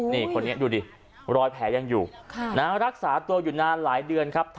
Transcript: นี่คนนี้ดูดิรอยแผลยังอยู่รักษาตัวอยู่นานหลายเดือนครับ